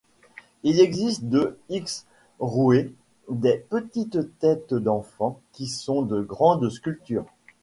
Il existe de Xhrouet des petites têtes d’enfants qui sont de grandes sculptures.